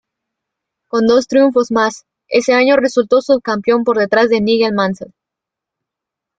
Con dos triunfos más, ese año resultó subcampeón por detrás de Nigel Mansell.